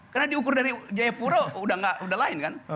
karena diukur dari jayapuro udah lain kan